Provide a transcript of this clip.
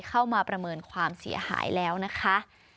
ประเมินความเสียหายแล้วนะคะ